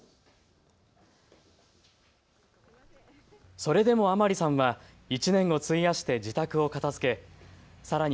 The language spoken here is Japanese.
それでも天利さんは１年を費やして自宅を片づけさらに